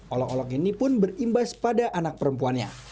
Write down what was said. olok olok ini pun berimbas pada anak perempuannya